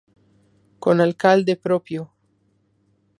Con alcalde propio.